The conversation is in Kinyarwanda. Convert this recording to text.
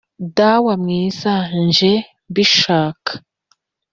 dawe mwiza nje mbishaka